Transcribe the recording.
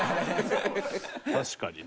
確かにね。